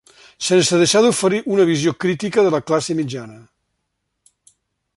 Sense deixar d'oferir una visió crítica de la classe mitjana.